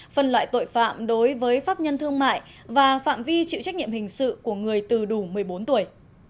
phân loại tội phạm đối với pháp nhân thương mại và phạm vi chịu trách nhiệm hình sự của người từ đủ một mươi bốn tuổi